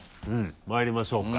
まいりましょうか。